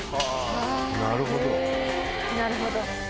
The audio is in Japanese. なるほど。